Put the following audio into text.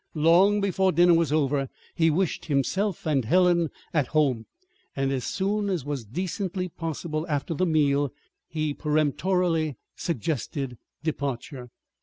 Long before dinner was over, he wished himself and Helen at home; and as soon as was decently possible after the meal, he peremptorily suggested departure.